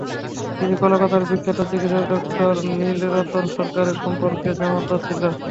তিনি কলকাতার বিখ্যাত চিকিৎসক ড. নীলরতন সরকারের সম্পর্কে জামাতা ছিলেন।